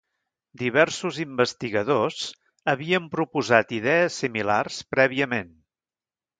Diversos investigadors havien proposat idees similars prèviament.